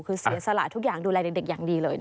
คือเสียสละทุกอย่างดูแลเด็กอย่างดีเลยนะคะ